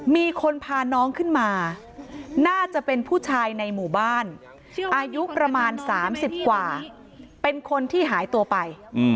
มีคนพาน้องขึ้นมาน่าจะเป็นผู้ชายในหมู่บ้านอายุประมาณ๓๐กว่าเป็นคนที่หายตัวไป